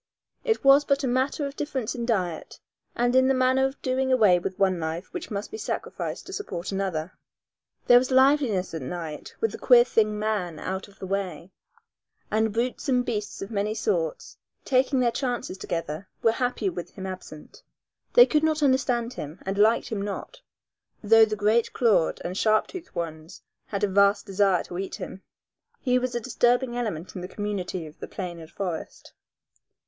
It was but a matter of difference in diet and in the manner of doing away with one life which must be sacrificed to support another. There was liveliness at night with the queer thing, man, out of the way, and brutes and beasts of many sorts, taking their chances together, were happier with him absent. They could not understand him, and liked him not, though the great clawed and sharp toothed ones had a vast desire to eat him. He was a disturbing element in the community of the plain and forest.